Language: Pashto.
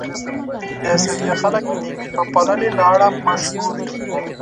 د سربیا خلک د مېلمه پالنې له اړخه مشهور دي.